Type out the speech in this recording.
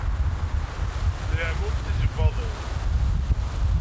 D leɛmum n tizi n waḍu.